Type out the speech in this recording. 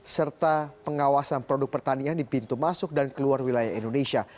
serta pengawasan produk pertanian di pintu masuk dan keluar wilayah indonesia